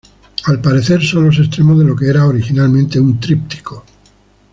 Al parecer son los extremos de lo que era originalmente un tríptico.